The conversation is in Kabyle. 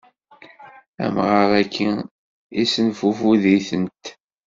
Amɣaṛ-agi issenfufud-itent.